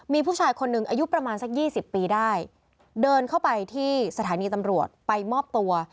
มีผู้ชายคนหนึ่งอายุประมาณสักยี่สิบปีได้เดินเข้าไปที่สถานีตำรวจไปมอบตัว